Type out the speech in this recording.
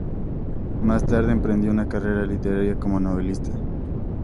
Más tarde emprendió una carrera literaria como novelista.